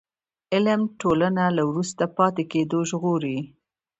علم ټولنه له وروسته پاتې کېدو ژغوري.